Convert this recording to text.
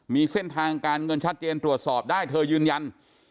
มีเส้นทางการเงินชัดเจนตรวจสอบได้เธอยืนยัน